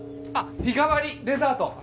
あっ日替わりデザート